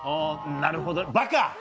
なるほどバカ！